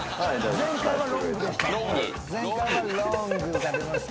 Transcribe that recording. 「前回は『ロング』が出ました」